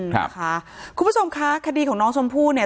คุณผู้ชมคะคดีของน้องชมพู่เนี่ย